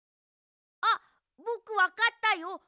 あっぼくわかったよ。